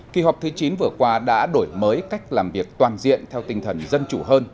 kỳ họp thứ chín vừa qua đã đổi mới cách làm việc toàn diện theo tinh thần dân chủ hơn